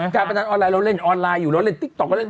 การพนันออนไลน์เราเล่นออนไลน์อยู่เราเล่นติ๊กต๊ก็เล่น